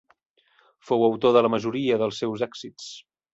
Fou autor de la majoria dels seus èxits.